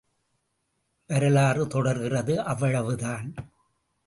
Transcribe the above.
வரலாறு தொடர்கிறது அவ்வளவுதான்.